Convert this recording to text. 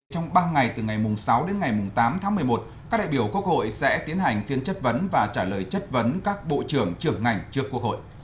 trong ba ngày từ ngày sáu đến ngày tám tháng một mươi một các đại biểu quốc hội sẽ tiến hành phiên chất vấn và trả lời chất vấn các bộ trưởng trưởng ngành trước quốc hội